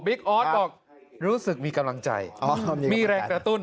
ออสบอกรู้สึกมีกำลังใจมีแรงกระตุ้น